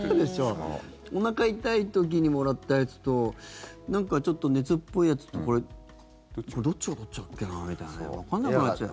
おなか痛い時にもらったやつと何かちょっと熱っぽいやつとどっちがどっちだっけなみたいなわかんなくなっちゃう。